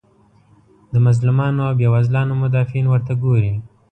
د مظلومانو او بیوزلانو مدافعین ورته ګوري.